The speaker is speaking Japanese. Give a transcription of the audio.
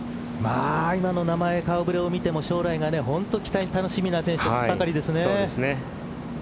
今の名前、顔触れを見ても将来が本当に楽しみな選手たちばかりですね。